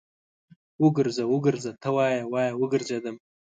وګرځه، وګرځه ته وايې، وايه وګرځېدم